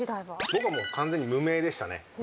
僕はもう完全に無名でしたね。